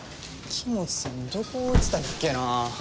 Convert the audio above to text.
黄本さんどこ置いてたっけなぁ。